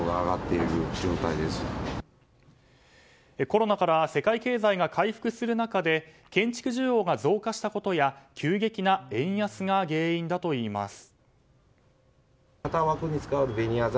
コロナから世界経済が回復する中で建築需要が増加したことや急激な円安が原因だといいます。